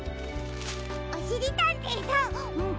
おしりたんていさん